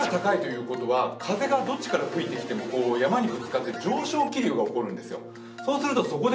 山が高いということは風がどっちから吹いてきても上昇気流が起こるんですよ。